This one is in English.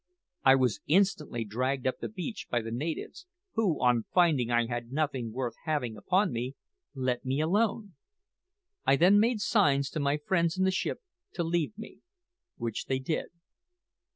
I was instantly dragged up the beach by the natives; who, on finding I had nothing worth having upon me, let me alone. I then made signs to my friends in the ship to leave me, which they did.